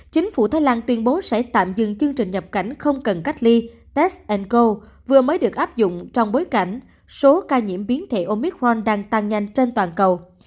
chính phủ thái lan tuyên bố sẽ tạm dừng chương trình nhập cảnh không cần cách ly testo vừa mới được áp dụng trong bối cảnh số ca nhiễm biến thể omicron đang tăng nhanh trên toàn cầu